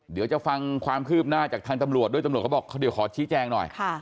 เดี๋ยวจะฟังความคืบหน้าจากทางตำรวจด้วยตำรวจเขาบอกเขาเดี๋ยวขอชี้แจงหน่อย